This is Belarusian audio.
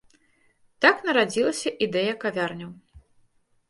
Так нарадзілася ідэя кавярняў.